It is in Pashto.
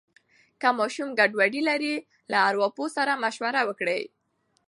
که ماشوم ګډوډي لري، له ارواپوه سره مشوره وکړئ.